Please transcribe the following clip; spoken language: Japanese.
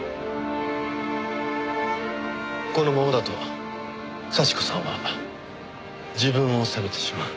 このままだと幸子さんは自分を責めてしまう。